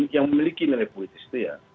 yang memiliki nilai politis itu ya